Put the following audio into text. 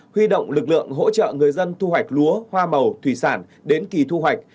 huy động lực lượng hỗ trợ người dân thu hoạch lúa hoa màu thủy sản đến kỳ thu hoạch